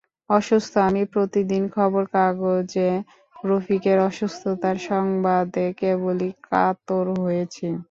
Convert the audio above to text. অসুস্থ আমি প্রতিদিন খবর কাগজে রফিকের অসুস্থতার সংবাদে কেবলই কাতর হয়েছি।